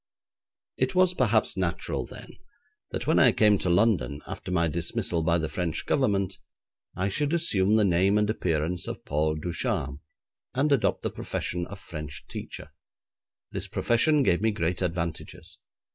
It was perhaps natural then, that when I came to London after my dismissal by the French Government, I should assume the name and appearance of Paul Ducharme, and adopt the profession of French teacher. This profession gave me great advantages.